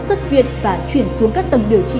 xuất việt và chuyển xuống các tầng điều trị